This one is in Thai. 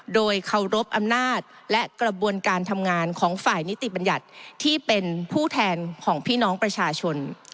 โดยเคารพอำนาจและกระบวนการทำงานของฝ่ายนิติบัญญัติที่เป็นผู้แทนของพี่น้องประชาชน